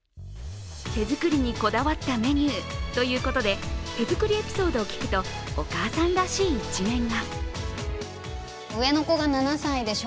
手作りにこだわったメニューということで手作りエピソードを聞くとお母さんらしい一面が。